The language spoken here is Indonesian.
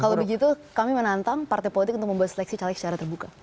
kalau begitu kami menantang partai politik untuk membuat seleksi caleg secara terbuka